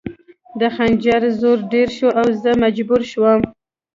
د خنجر زور ډېر شو او زه مجبوره شوم